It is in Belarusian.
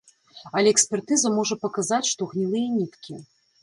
Але экспертыза можа паказаць, што гнілыя ніткі.